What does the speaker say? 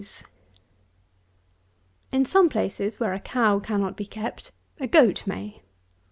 In some places where a cow cannot be kept, a goat may.